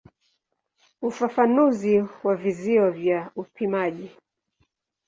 Ufafanuzi wa vizio vya upimaji.